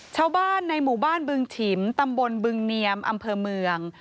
ชาวบ้านในหมู่บ้านบึงฉิมตำบลบึงเนียมอำเภอเมือง